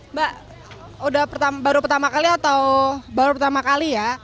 mbak baru pertama kali atau baru pertama kali ya